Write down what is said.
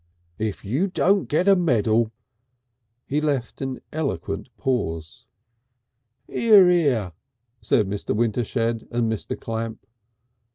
If you don't get a medal " He left an eloquent pause. "'Ear, 'ear!" said Mr. Wintershed and Mr. Clamp.